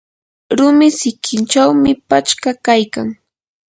rumi sikinchawmi pachka kaykan.